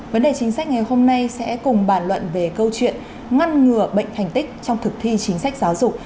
vấn đề chính sách ngày hôm nay sẽ cùng bàn luận về câu chuyện ngăn ngừa bệnh thành tích trong thực thi chính sách giáo dục